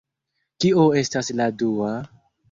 Kio estas la dua?